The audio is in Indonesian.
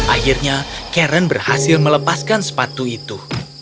akhirnya karen berhasil melepaskan sepatu itu